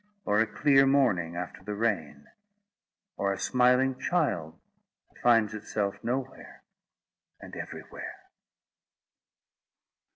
or a clear morning after the rain? or a smiling child, that finds itself nowhere, and everywhere?